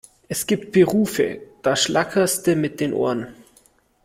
Es gibt Berufe, da schlackerste mit den Ohren!